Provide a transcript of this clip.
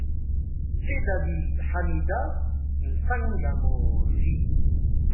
CHE DADY HAMIDA, M'Tsangamouji